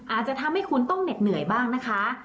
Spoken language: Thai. อาจจะทำให้คุณต้องเหน็ดเหนื่อยบ้างนะคะ